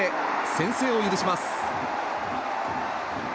先制を許します。